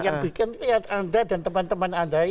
yang bikin lihat anda dan teman teman anda ini